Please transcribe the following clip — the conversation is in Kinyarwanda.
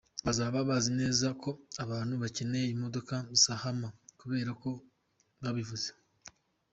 Bazaba bazi neza ko abantu bakeneye imodoka za hammer kubera ko wabivuze.